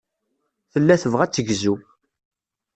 Tella tebɣa ad tegzu.